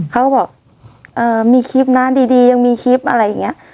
เขาบอกมีคลิปนะดียังมีคลิปอะไรอย่างนี้